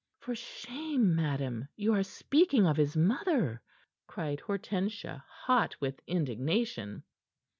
"For shame, madam! You are speaking of his mother," cried Hortensia, hot with indignation.